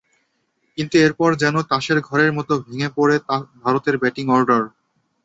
কিন্তু এরপর যেন তাসের ঘরের মতো ভেঙে পড়ে ভারতের ব্যাটিং অর্ডার।